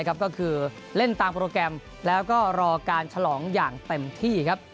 ก็คือเล่นตามโปรแกรมแล้วก็รอการฉลองอย่างเต็มที่ครับ